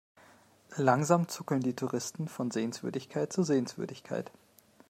Langsam zuckeln die Touristen von Sehenswürdigkeit zu Sehenswürdigkeit.